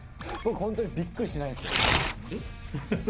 本当にびっくりしないんですよ。